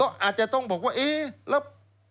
ก็อาจจะต้องบอกว่าเอ๊ะแล้ว